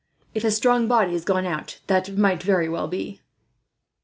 "If a strong body has gone out, that might very well be."